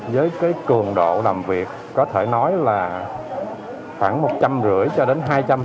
với cái cường độ làm việc có thể nói là khoảng một trăm năm mươi cho đến hai trăm linh